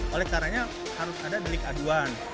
oleh karanya harus ada delik aduan